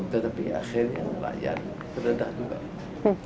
tetapi akhirnya rakyat terdedah juga